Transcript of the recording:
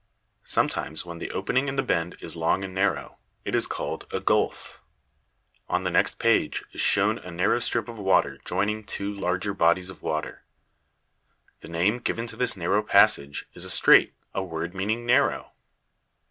Sometimes, when the opening in the bend is long and narrow, it is called a gulf. On the next page is shown a narrow strip of water joining two larger bodies of water. The name given to this narrow passage is strait, a word meaning narrow.